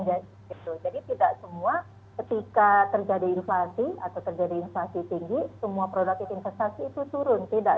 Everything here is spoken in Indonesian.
jadi tidak semua ketika terjadi inflasi atau terjadi inflasi tinggi semua produk investasi itu turun